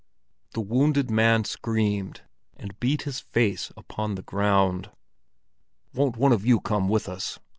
The wounded man screamed and beat his face upon the ground. "Won't one of you come with us?"